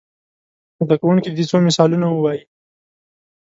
زده کوونکي دې څو مثالونه ووايي.